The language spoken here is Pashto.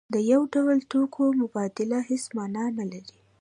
د یو ډول توکو مبادله هیڅ مانا نلري.